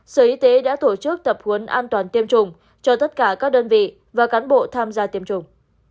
sở y tế đã tổ chức tập huấn an toàn tiêm chủng cho tất cả các đơn vị và cán bộ tham gia tiêm chủng